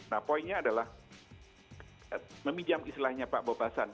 nah poinnya adalah meminjam istilahnya pak bobasan